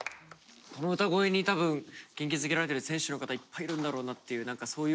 この歌声に多分元気づけられてる選手の方いっぱいいるんだろうなっていう何かそういう景色が。